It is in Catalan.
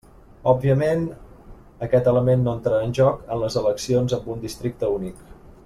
Òbviament, aquest element no entrarà en joc en les eleccions amb un districte únic.